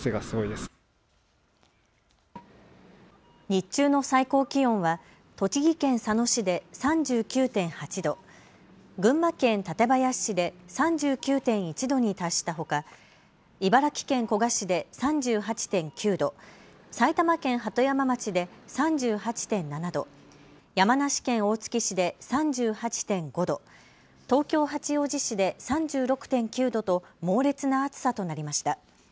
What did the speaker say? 日中の最高気温は栃木県佐野市で３９．８度、群馬県館林市で３９．１度に達したほか茨城県古河市で３８．９度、埼玉県鳩山町で３８．７度、山梨県大月市で３８．５度、東京八王子市で３６．９度と猛烈な暑さとなりました。